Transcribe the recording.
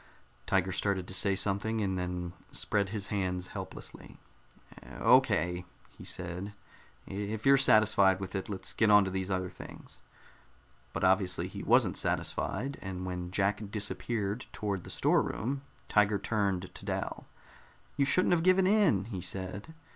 Tiger started to say something, and then spread his hands helplessly. "Okay," he said. "If you're satisfied with it, let's get on to these other things." But obviously he wasn't satisfied, and when Jack disappeared toward the storeroom, Tiger turned to Dal. "You shouldn't have given in," he said.